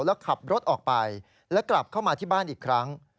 แล้วขับรถออกไปและกลับเข้ามาที่บ้านอีกครั้ง